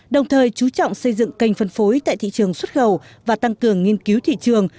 đồng thời chú trọng xây dựng kênh phân phối tại thị trường xuất khẩu và tăng cường nghiên cứu thị trường